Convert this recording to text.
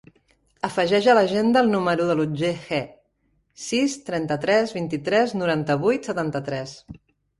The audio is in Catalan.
Afegeix a l'agenda el número de l'Otger He: sis, trenta-tres, vint-i-tres, noranta-vuit, setanta-tres.